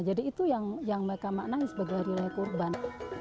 jadi itu yang mereka maknanya sebagai hari raya kurban